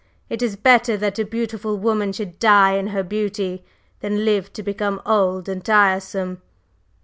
It is better that a beautiful woman should die in her beauty than live to become old and tiresome.